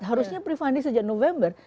harusnya prefunding sejak november